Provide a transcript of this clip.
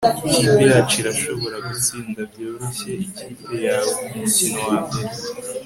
ikipe yacu irashobora gutsinda byoroshye ikipe yawe kumukino wambere